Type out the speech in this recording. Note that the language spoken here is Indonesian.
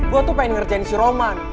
gue tuh pengen ngerjain si roman